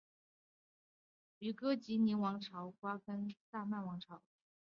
与哥疾宁王朝瓜分萨曼王朝。